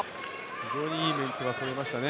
非常にいいメンツがそろいましたね。